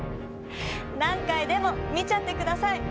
何回でも見ちゃってください！